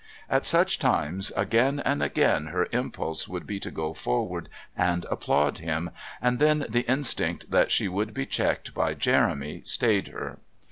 At such times, again and again, her impulse would be to go forward and applaud him, and then, the instinct that she would be checked by Jeremy stayed her.